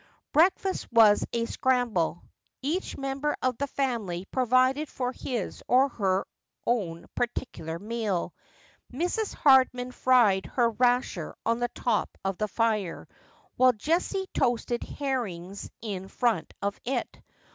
Breakfast was a scramble. Each member of the family provided for his or her own particular meal. Mrs. Hardman fried her rasher on the top of the lire, while Jessie toasted herrings in front of it.